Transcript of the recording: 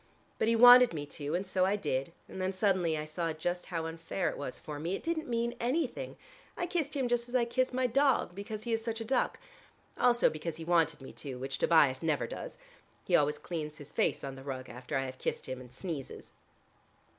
But he wanted me to, and so I did, and then suddenly I saw how unfair it was for me. It didn't mean anything: I kissed him just as I kiss my dog, because he is such a duck. Also because he wanted me to, which Tobias never does: he always cleans his face on the rug after I have kissed him, and sneezes."